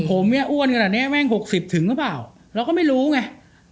ผมเนี่ยอ้วนขนาดนี้แม่ง๖๐ถึงหรือเปล่าเราก็ไม่รู้ไง